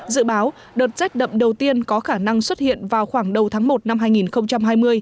dự báo đợt rét đậm đầu tiên có khả năng xuất hiện vào khoảng đầu tháng một năm hai nghìn hai mươi